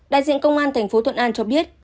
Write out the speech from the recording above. đại diện công an thành phố thuận an cho biết